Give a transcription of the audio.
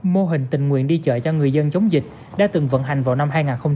mô hình tình nguyện đi chợ cho người dân chống dịch đã từng vận hành vào năm hai nghìn một mươi